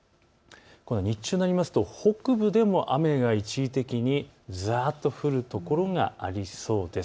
日中になりますと北部でも雨が一時的にざっと降る所がありそうです。